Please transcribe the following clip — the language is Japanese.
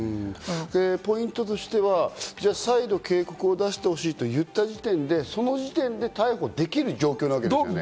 ポイントとしては再度、警告を出してほしいと言った時点で、その時点で逮捕できる状況なわけですね。